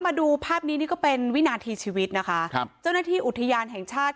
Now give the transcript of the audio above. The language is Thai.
มาดูภาพนี้นี่ก็เป็นวินาทีชีวิตนะคะครับเจ้าหน้าที่อุทยานแห่งชาติ